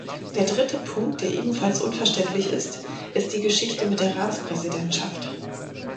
Der dritte Punkt, der ebenfalls unverständlich ist, ist die Geschichte mit der Ratspräsidentschaft.